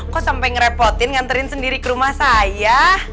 kok sampai ngerepotin nganterin sendiri ke rumah saya